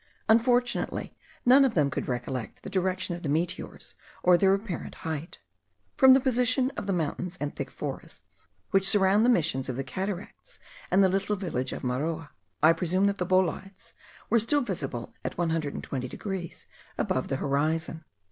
Unfortunately, none of them could recollect the direction of the meteors, or their apparent height. From the position of the mountains and thick forests which surround the Missions of the Cataracts and the little village of Maroa, I presume that the bolides were still visible at 20 degrees above the horizon.